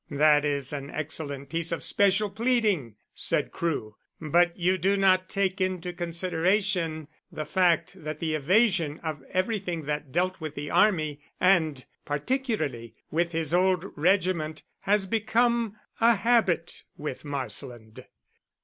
"That is an excellent piece of special pleading," said Crewe. "But you do not take into consideration the fact that the evasion of everything that dealt with the Army, and particularly with his old regiment, has become a habit with Marsland."